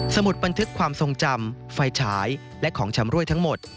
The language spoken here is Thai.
มุดบันทึกความทรงจำไฟฉายและของชำรวยทั้งหมด